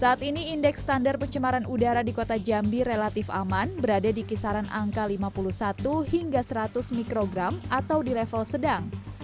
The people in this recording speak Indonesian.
saat ini indeks standar pencemaran udara di kota jambi relatif aman berada di kisaran angka lima puluh satu hingga seratus mikrogram atau di level sedang